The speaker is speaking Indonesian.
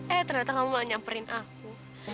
eh ternyata kamu gak nyamperin aku